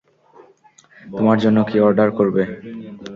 তোমার জন্য কী অর্ডার করবে?